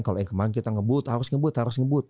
kalau yang kemarin kita ngebut harus ngebut harus ngebut